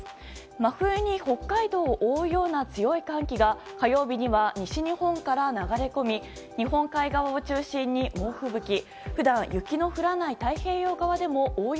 真冬に北海道を覆うような強い寒気が火曜日には西日本から流れ込み日本海側を中心に猛吹雪。